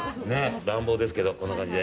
乱暴ですけどこんな感じで。